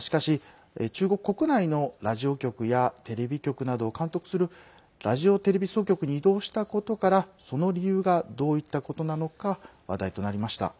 しかし、中国国内のラジオ局やテレビ局などを監督するラジオテレビ総局に異動したことからその理由がどういったことなのか話題となりました。